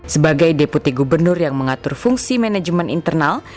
sebagai deputi gubernur yang mengatur fungsi manajemen internal